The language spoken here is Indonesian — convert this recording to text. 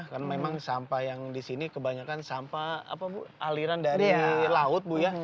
karena memang sampah yang di sini kebanyakan sampah aliran dari laut bu ya